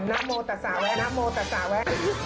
อ๋อน่าโมตัสาว่ะน่าโมตัสาว่ะ